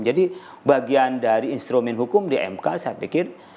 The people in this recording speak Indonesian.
jadi bagian dari instrumen hukum di mk saya pikir